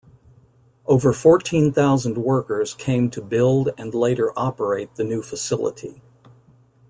Over fourteen thousand workers came to build and later operate the new facility.